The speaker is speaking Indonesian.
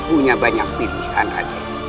punya banyak pilihan adik